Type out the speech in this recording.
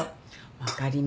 分かります。